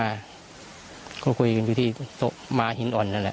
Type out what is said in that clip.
เขาก็คุยกันเท่าที่อ๋อ